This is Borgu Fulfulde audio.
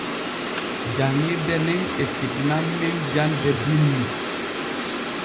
Janŋirde nen ekkitinan men jande binni.